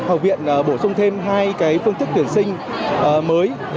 học viện bổ sung thêm hai phương thức tuyển sinh mới